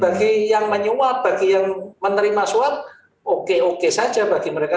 bagi yang menyuap bagi yang menerima suap oke oke saja bagi mereka